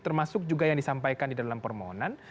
termasuk juga yang disampaikan di dalam permohonan